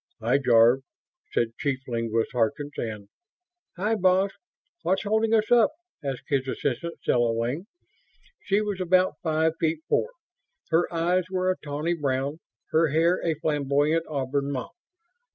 "Hi, Jarve," said Chief Linguist Harkins, and: "Hi, boss what's holding us up?" asked his assistant, Stella Wing. She was about five feet four. Her eyes were a tawny brown; her hair a flamboyant auburn mop.